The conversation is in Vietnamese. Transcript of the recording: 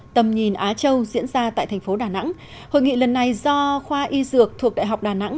tầm nhìn á châu diễn ra tại thành phố đà nẵng hội nghị lần này do khoa y dược thuộc đại học đà nẵng